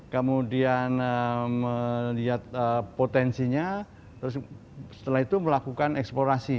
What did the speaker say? kemudian melihat potensinya terus setelah itu melakukan eksplorasi